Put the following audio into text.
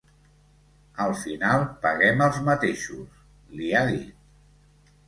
Al final paguem els mateixos, li ha dit.